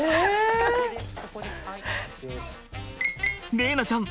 玲菜ちゃん